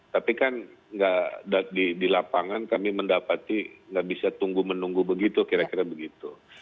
tapi kan di lapangan kami mendapati nggak bisa tunggu menunggu begitu kira kira begitu